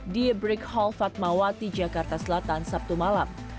di break hall fatmawati jakarta selatan sabtu malam